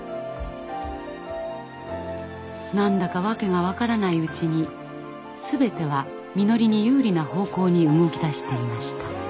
何だか訳が分からないうちに全てはみのりに有利な方向に動きだしていました。